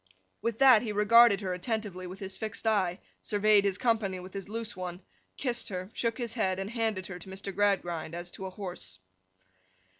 With that he regarded her attentively with his fixed eye, surveyed his company with his loose one, kissed her, shook his head, and handed her to Mr. Gradgrind as to a horse.